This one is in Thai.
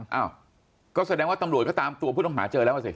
เอ้าก็แสดงว่าตำรวจก็ตามตัวผู้ต้องหาเจอแล้วอ่ะสิ